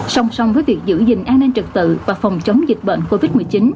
song song với việc giữ gìn an ninh trực tự và phòng chống dịch bệnh covid một mươi chín